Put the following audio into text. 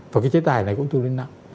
và cái chế tài này cũng thu đến nặng